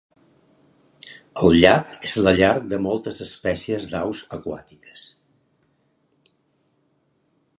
El llac és la llar de moltes espècies d'aus aquàtiques.